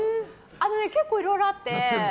あのね、結構いろいろあって。